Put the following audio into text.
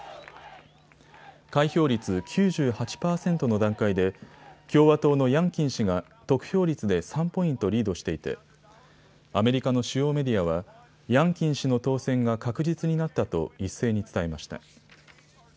開票率９８％の段階で共和党のヤンキン氏が得票率で３ポイントリードしていてアメリカの主要メディアはヤンキン氏の当選が確実になったと一斉に伝えました。